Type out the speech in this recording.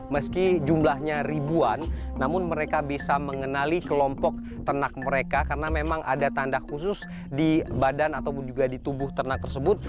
meski jumlahnya ribuan namun mereka bisa mengenali kelompok ternak mereka karena memang ada tanda khusus di badan atau juga di tubuh ternak tersebut